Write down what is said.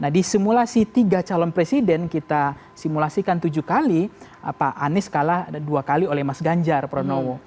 nah di simulasi tiga calon presiden kita simulasikan tujuh kali pak anies kalah dua kali oleh mas ganjar pranowo